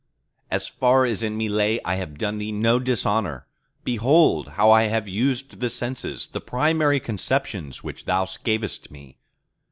As far as in me lay, I have done Thee no dishonour. Behold how I have used the senses, the primary conceptions which Thous gavest me.